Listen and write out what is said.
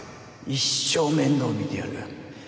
一生面倒見てやる。